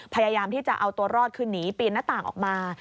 พยายามที่จะเอาตัวรอดคือหนีปีนหน้าต่างออกมา